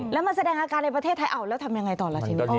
แล้วมันแสดงอาการในประเทศไทยแล้วทำอย่างไรต่อละทีนี้